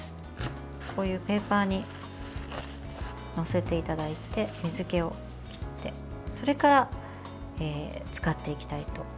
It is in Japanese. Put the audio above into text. こういうペーパーに載せていただいて水けを切って、それから使っていきたいと思います。